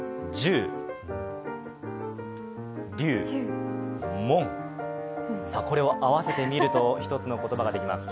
１０、龍、門、これを合わせると１つの言葉ができます。